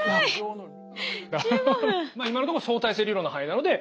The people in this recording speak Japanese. まあ今のところ相対性理論の範囲なので。